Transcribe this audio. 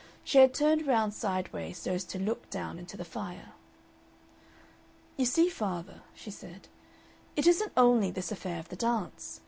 She had turned round sideways, so as to look down into the fire. "You see, father," she said, "it isn't only this affair of the dance.